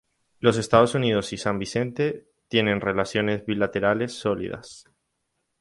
Los Estados Unidos y San Vicente tienen relaciones bilaterales sólidas.